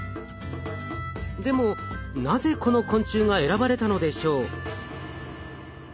でもなぜこの昆虫が選ばれたのでしょう？